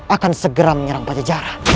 akan segera menyerang pajajara